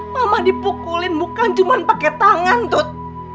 mama dipukulin bukan cuma pake tangan tut